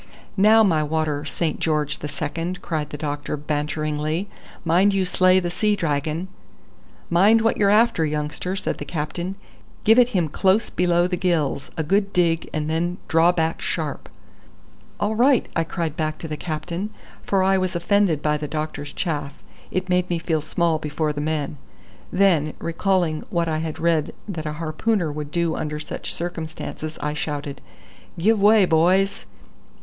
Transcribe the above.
"Now my water Saint George the Second," cried the doctor banteringly; "mind you slay the sea dragon." "Mind what you're after, youngster," said the captain. "Give it him close below the gills; a good dig and then draw back sharp." "All right!" I cried back to the captain, for I was offended by the doctor's chaff; it made me feel small before the men. Then, recalling what I had read that a harpooner would do under such circumstances, I shouted: "Give way, boys!"